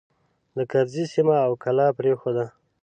د کرز سیمه او کلا پرېښوده.